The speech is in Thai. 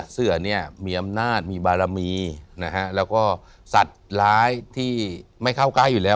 เสือเนี่ยมีอำนาจมีบารมีนะฮะแล้วก็สัตว์ร้ายที่ไม่เข้าใกล้อยู่แล้ว